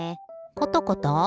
コトコト？